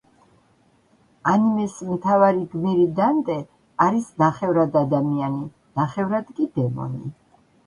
ანიმეს მთავარი გმირი დანტე არის ნახევრად ადამიანი, ნახევრად კი დემონი.